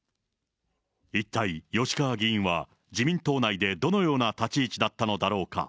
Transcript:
一体、吉川議員は自民党内でどのような立ち位置だったのだろうか。